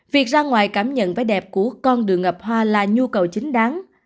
việc ra ngoài cảm nhận vẻ đẹp của con đường ngập hoa là nhu cầu chính đáng